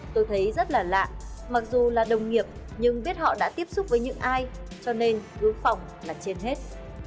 tôi thấy rất là lạ mặc dù là đồng nghiệp nhưng biết họ đã tiếp xúc với những ai cho nên cứ phòng là trên hết